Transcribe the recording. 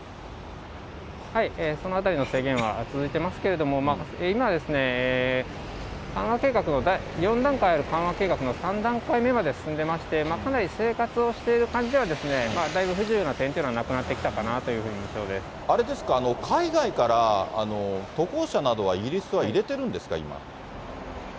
そのあたりの制限は続いてますけども、今、緩和計画の、４段階ある緩和計画の３段階目まで進んでまして、かなり生活をしている感じでは、だいぶ不自由な点というのはなくなってきたかなというふうな印象あれですか、海外から渡航者などは、イギリスは入れてるんですか？